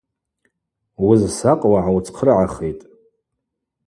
Уызсакъуа гӏауцхърыгӏахитӏ.